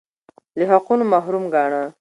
له حقونو محروم ګاڼه